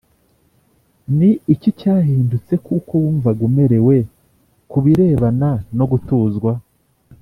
Ni iki cyahindutse k uko wumvaga umerewe ku birebana no gutuzwa